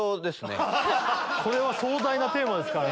これは壮大なテーマですからね。